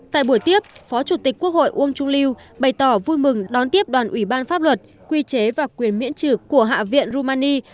tại buổi tiếp phó chủ tịch quốc hội uông chu lưu bày tỏ vui mừng đón tiếp đoàn ủy ban pháp luật quy chế và quyền miễn trừ của hạ viện rumani